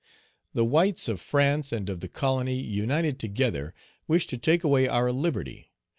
"The whites of France and of the Colony, united together, wish to take away our liberty.